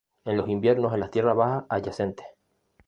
En los inviernos en las tierras bajas adyacentes.